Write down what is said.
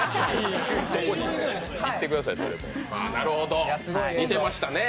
なるほど、似てましたね。